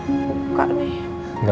aduh aduh aduh